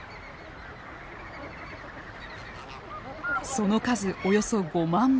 その数およそ５万羽。